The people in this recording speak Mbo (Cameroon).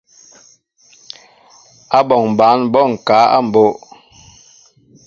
Áɓɔŋ ɓăn ɓɔ ŋkă a mbóʼ.